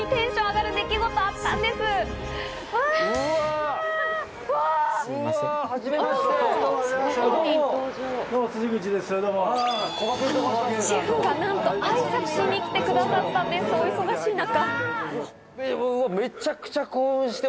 シェフがなんと挨拶に来てくださったんです、お忙しい中。